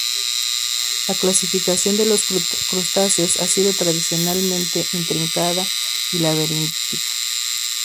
La clasificación de los crustáceos ha sido tradicionalmente intrincada y laberíntica.